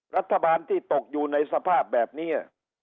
รัฐบาลที่ตกอยู่ในสภาพแบบนี้